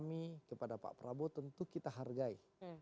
kami kepada pak prabowo tentu kita hargai